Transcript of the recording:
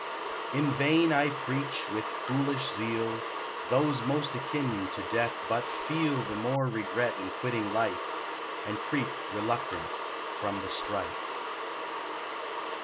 In vain I preach; with foolish zeal, Those most akin to death but feel The more regret in quitting life, And creep reluctant from the strife.